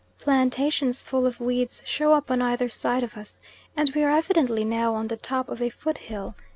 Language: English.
Plantations full of weeds show up on either side of us, and we are evidently now on the top of a foot hill.